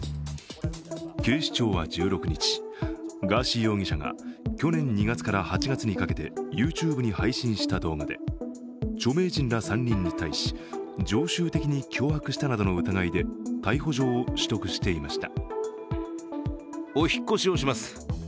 警視庁は１６日、ガーシー容疑者から去年２月から８月にかけてＹｏｕＴｕｂｅに配信した動画で著名人ら３人に対し常習的に脅迫したなどの疑いで逮捕状を取得していました。